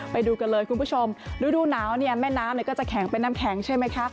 ไปดูกันเลยคุณผู้ชมฤดูหนาวเนี่ยแม่น้ำก็จะแข็งเป็นน้ำแข็งใช่ไหมคะ